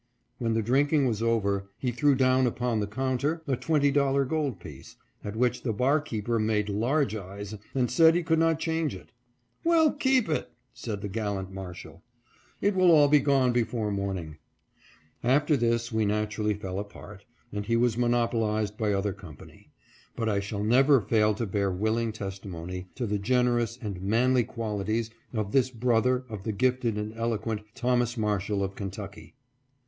When the drinking was over he threw down upon the counter a twenty dollar gold piece, at which the barkeeper made large eyes and said he could not change it. " Well, keep it," said the gallant Marshall ;" it will all be gone before morning." After this we naturally fell apart, and he was monopolized by other company ; but I shall never fail to bear willing testimony to the generous any manly quali ties of this brother of the gifted and eloquent Thomas Marshall of Kentucky.